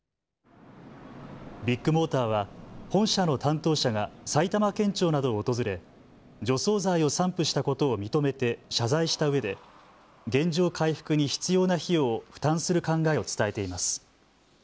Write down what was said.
ビッグモーターは本社の担当者が埼玉県庁などを訪れ、除草剤を散布したことを認めて謝罪したうえで原状回復に必要な費用を負担する考えを伝えています。